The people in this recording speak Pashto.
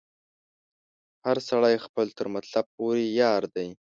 هر سړی خپل تر مطلب پوري یار دی